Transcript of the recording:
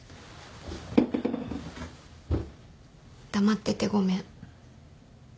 黙っててごめん。